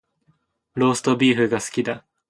ローストビーフが大好きだ